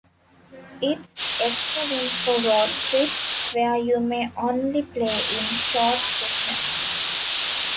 It's excellent for road-trips where you may only play in short sessions.